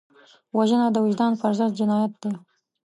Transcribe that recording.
وژنه د وجدان پر ضد جنایت دی